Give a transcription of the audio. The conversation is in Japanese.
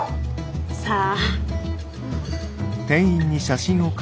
さあ。